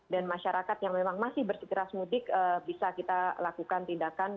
dan masyarakat yang memang masih bersikeras mudik bisa kita lakukan tindakan